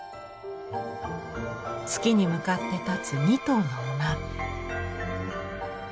月に向かって立つ２頭の馬。